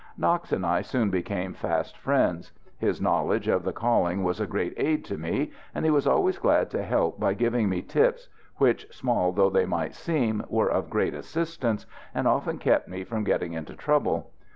Knox and I soon became fast friends. His knowledge of the calling was a great aid to me, and he was always glad to help by giving me "tips," which, small though they might seem, were of great assistance and often kept me from getting into trouble.